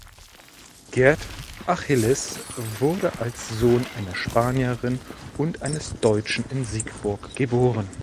Gerd Achilles wurde als Sohn einer Spanierin und eines Deutschen in Siegburg geboren.